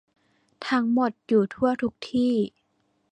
ทั้งหมดอยู่ทั่วทุกที่